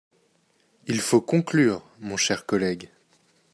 Il faut conclure, mon cher collègue.